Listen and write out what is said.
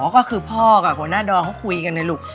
ก็คือพ่อกับหัวหน้าดอนเขาคุยกันเลยลูก